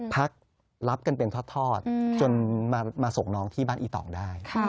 พักรับกันเป็นทอดจนมาส่งน้องที่บ้านอีตองได้